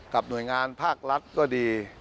หน่วยงานภาครัฐก็ดี